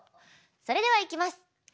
それではいきます。